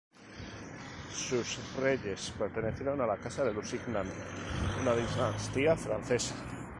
Sus reyes pertenecieron a la casa de Lusignan, una dinastía francesa.